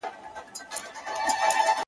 o شرنګېدلي د سِتار خوږې نغمې سه,